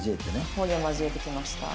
方言交えてきました。